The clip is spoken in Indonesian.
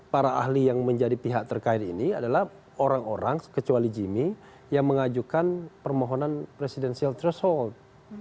para ahli yang menjadi pihak terkait ini adalah orang orang kecuali jimmy yang mengajukan permohonan presidensial threshold